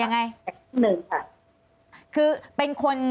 อันดับที่สุดท้าย